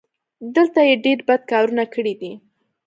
دلته یې ډېر بد کارونه کړي دي.